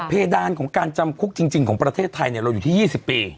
เพดานของการจำคุกจริงของประเทศไทยเราอยู่ที่๒๐ปี